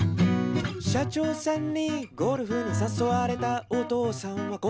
「社長さんにゴルフにさそわれたお父さんは答えました」